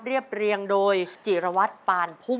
เรียบเรียงโดยจิรวัตรปานพุ่ม